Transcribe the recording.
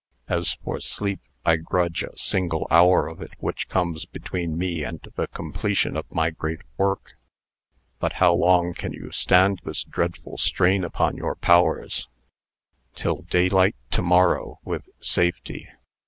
As for sleep, I grudge a single hour of it which comes between me and the completion of my great work." "But how long can you stand this dreadful strain upon your powers?" "Till daylight to morrow, with safety.